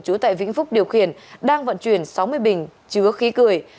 chú tại vĩnh phúc điều khiển đang vận chuyển sáu mươi bình chứa khí cười